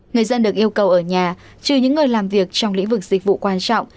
người dân được yêu cầu ở nhà trừ những người làm việc trong lĩnh vực dịch vụ quan trọng